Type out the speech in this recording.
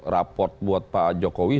raport buat pak jokowi